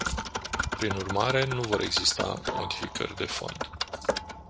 Prin urmare, nu vor exista modificări de fond.